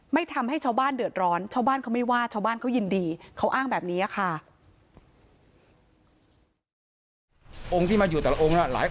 ทำให้ชาวบ้านเดือดร้อนชาวบ้านเขาไม่ว่าชาวบ้านเขายินดีเขาอ้างแบบนี้ค่ะ